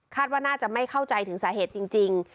ว่าน่าจะไม่เข้าใจถึงสาเหตุจริง